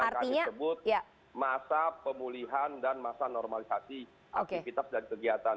artinya disebut masa pemulihan dan masa normalisasi aktivitas dan kegiatan